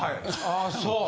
ああそう。